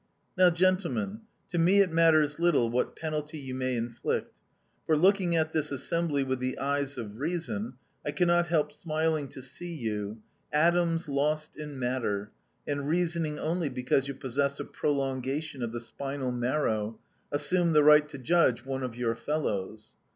"Now, gentlemen, to me it matters little what penalty you may inflict, for, looking at this assembly with the eyes of reason, I can not help smiling to see you, atoms lost in matter, and reasoning only because you possess a prolongation of the spinal marrow, assume the right to judge one of your fellows.